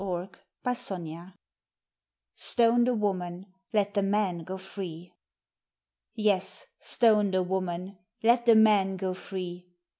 STONE THE WOMAN, LET THE MAN GO FREE. Yes, stone the woman, let the man go free!